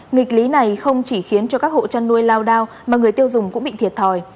nghịch lý này không chỉ khiến cho các hộ chăn nuôi lao đao mà người tiêu dùng cũng bị thiệt thòi